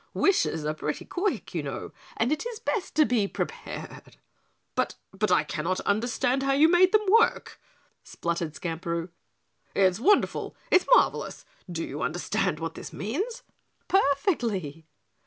Wishes are pretty quick, you know, and it is best to be prepared." "But but I cannot understand how you made them work," spluttered Skamperoo. "It's wonderful it's marvelous, do you understand what this means?" "Perfectly."